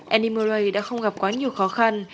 annie murray đã không gặp quá nhiều khó khăn